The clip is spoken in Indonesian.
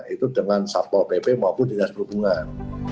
itu dengan satpol pp maupun dinas perhubungan